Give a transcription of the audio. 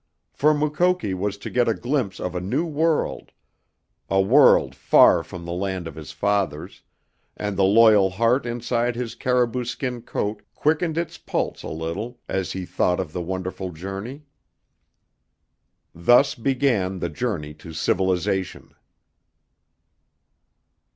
For Mukoki was to get a glimpse of a new world, a world far from the land of his fathers, and the loyal heart inside his caribou skin coat quickened its pulse a little as he thought of the wonderful journey. Thus began the journey to civilization.